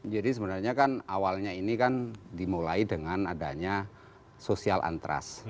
jadi sebenarnya kan awalnya ini kan dimulai dengan adanya sosial antras